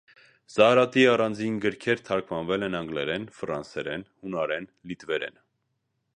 Զահրատի առանձին գրքեր թարգմանվել են անգլերեն, ֆրանսերեն, հունարեն, լիտվերեն։